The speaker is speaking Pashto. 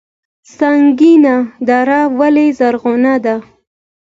سنګین دره ولې زرغونه ده؟